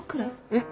うん？